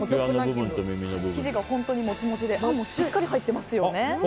生地が本当にモチモチであんもしっかり入っていますよね。